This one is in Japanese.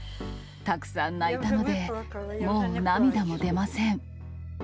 たくさん泣いたので、もう涙も出ません。